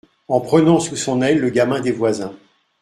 en prenant sous son aile le gamin des voisins